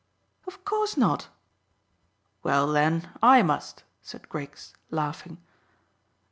"Of course not." "Well, then, I must," said Griggs, laughing.